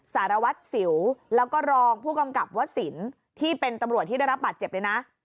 สารวัตรสิวแล้วก็รองผู้กำกับวสินที่เป็นตำรวจที่ได้รับบาดเจ็บเลยนะ